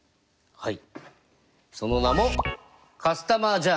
はい。